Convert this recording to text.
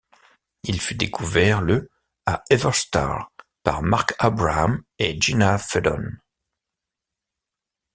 Il fut découvert le à Everstar par Mark Abraham et Gina Fedon.